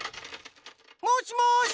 もしもし！